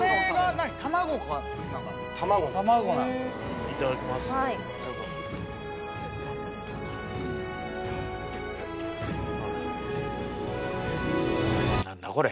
「何だこれ？」